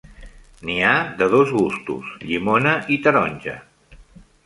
N'hi ha de dos gustos, llimona i taronja.